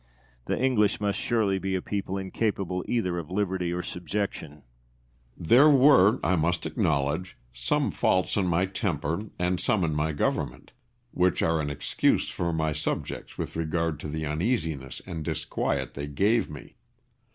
The English must surely be a people incapable either of liberty or subjection. William. There were, I must acknowledge, some faults in my temper and some in my government, which are an excuse for my subjects with regard to the uneasiness and disquiet they gave me.